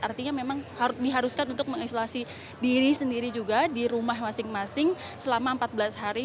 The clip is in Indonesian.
artinya memang diharuskan untuk mengisolasi diri sendiri juga di rumah masing masing selama empat belas hari